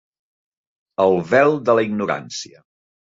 El vel de la ignorància.